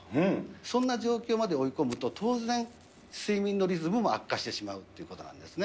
そんな状況まで追い込むと、当然、睡眠のリズムも悪化してしまうということなんですね。